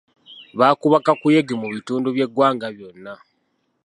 Baakuba kakuyege mu bitundu by'eggwanga byonna.